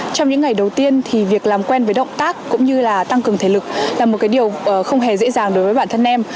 trong những ngày đầu tiên thì việc làm quen với động tác cũng như là tăng cường thể lực là một điều không hề dễ dàng đối với bản thân em